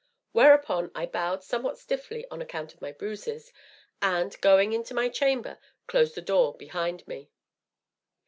Whereupon I bowed somewhat stiffly on account of my bruises, and, going into my chamber, closed the door behind me.